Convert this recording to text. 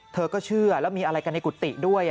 เธอก็เชื่อแล้วมีอะไรกันในกุฏิด้วย